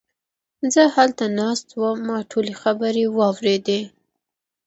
زه هلته ناست وم، ما ټولې خبرې واوريدې!